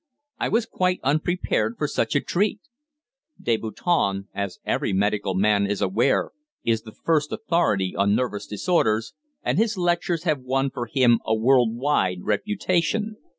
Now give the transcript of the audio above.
I was quite unprepared for such a treat. Deboutin, as every medical man is aware, is the first authority on nervous disorders, and his lectures have won for him a world wide reputation.